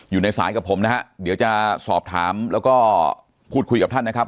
อยู่ในสายกับผมนะฮะเดี๋ยวจะสอบถามแล้วก็พูดคุยกับท่านนะครับ